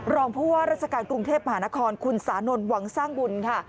รองผู้ว่าราชการกรุงเทพมหานครคุณสานนท์หวังสร้างบุญค่ะ